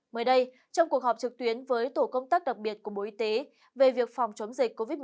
mới đây trong cuộc họp trực tuyến với tổ công tác đặc biệt của bộ y tế về việc phòng chống dịch covid một mươi chín